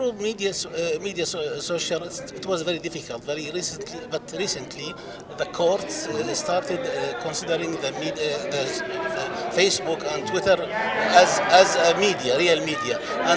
pada saat ini kota mempertimbangkan media facebook dan twitter sebagai media sebenar